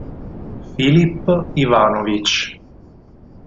Filip Ivanović